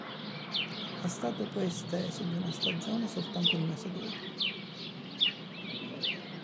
È stato poi esteso di una stagione soltanto il mese dopo.